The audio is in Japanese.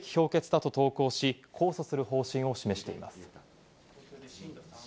恥ずべき評決だと投稿し、控訴する方針を示しています。